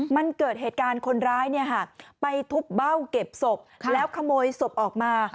มันเกิดเหตุการณ์คนร้ายไปทุบเบ้าเก็บศพแล้วขโมยศพออกมา